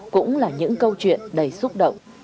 cũng là những câu chuyện đầy xúc động